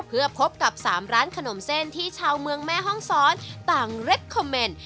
เพื่อพบกับ๓ร้านขนมเส้นที่ชาวเมืองแม่ห้องซ้อนต่างเร็ดคอมเมนต์